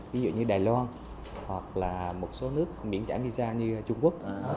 ví dụ như đài loan hoặc là một số nước miễn trả visa như trung quốc